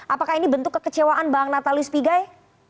apakah ini bentuk kekecewaan bang natalius pigai